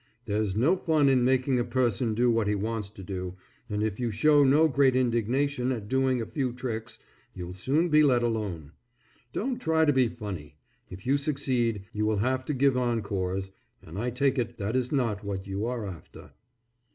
There's no fun in making a person do what he wants to do, and if you show no great indignation at doing a few tricks, you'll soon be let alone. Don't try to be funny, if you succeed you will have to give encores, and I take it that is not what you are after.